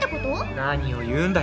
何を言うんだい。